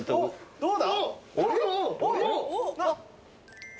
どうだ？